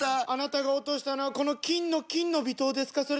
あなたが落としたのはこの金の「金の微糖」ですか？